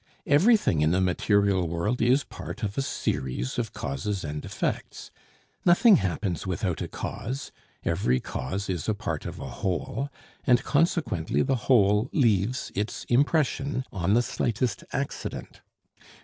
Everything in the material world is part of a series of causes and effects. Nothing happens without a cause, every cause is a part of a whole, and consequently the whole leaves its impression on the slightest accident.